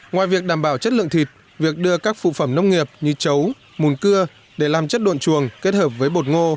ngoài việc đảm bảo chất lượng thịt việc đưa các phụ phẩm nông nghiệp như chấu mùn cưa để làm chất đun chuồng kết hợp với bột ngô